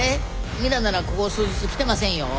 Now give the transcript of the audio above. ミラならここ数日来てませんよ。